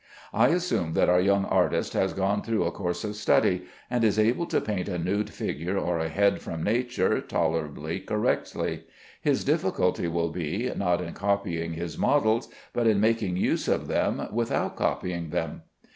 I assume that our young artist has gone through a course of study, and is able to paint a nude figure or a head from nature tolerably correctly. His difficulty will be, not in copying his models, but in making use of them without copying them.